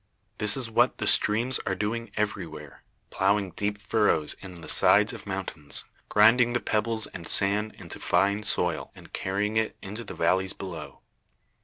This is what the streams are doing everywhere plowing deep furrows in the sides of the mountains, grinding the pebbles and sand into fine soil, and carrying it into the valleys below.